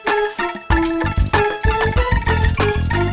aduh aku bebe